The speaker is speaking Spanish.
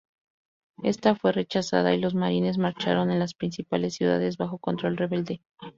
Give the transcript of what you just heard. Esta fue rechazada y los marines marcharon en las principales ciudades bajo control rebelde.